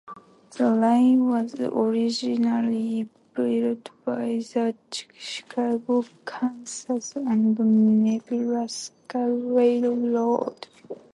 The line was originally built by the Chicago, Kansas and Nebraska Railroad.